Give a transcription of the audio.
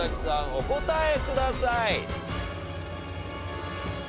お答えください。